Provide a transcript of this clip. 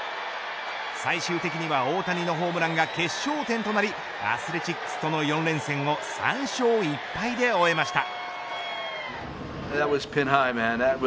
最終的に大谷のホームランが決勝点となりアスレチックスとの４連戦を３勝１敗で終えました。